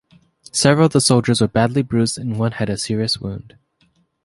Several of the soldiers were badly bruised and one had a serious wound.